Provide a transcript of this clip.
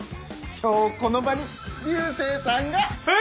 今日この場に流星さんが！え‼